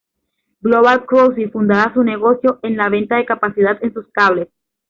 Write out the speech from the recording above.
Global Crossing fundaba su negocio en la venta de capacidad en sus cables.